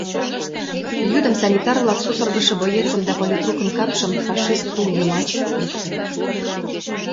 Йӱдым санитар-влак сусыргышо боецым да политрукын капшым фашист тул йымач луктыныт.